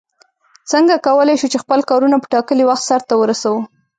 څنگه کولای شو چې خپل کارونه په ټاکلي وخت سرته ورسوو؟